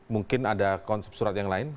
mungkin ada konsep surat yang lain